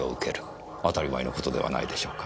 当たり前の事ではないでしょうか。